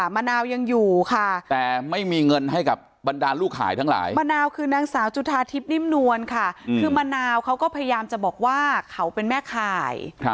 มะนาวคือนางสาวจุธาทิพย์นิ่มนวลค่ะคือมะนาวเขาก็พยายามจะบอกว่าเขาเป็นแม่ข่าย